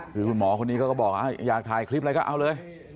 คือคุณหมอคนนี้เขาก็บอกอยากถ่ายคลิปอะไรก็เอาเลย